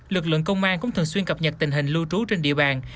lực lượng công an cũng thường xuyên cập nhật tình hình lưu trú trên địa bàn